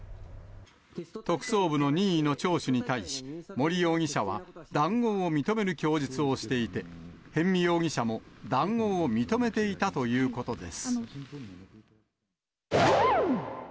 特捜部の任意の聴取に対し、森容疑者は談合を認める供述をしていて、逸見容疑者も談合を認めていたということです。